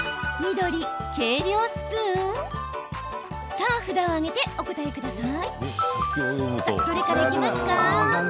さあ、札を上げてお答えください。